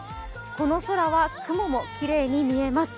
この空は雲もきれいに見えます。